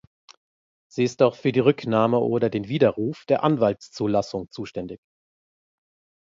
Sie ist auch für die Rücknahme oder den Widerruf der Anwaltszulassung zuständig.